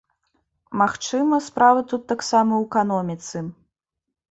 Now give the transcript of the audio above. Магчыма, справа тут таксама ў эканоміцы.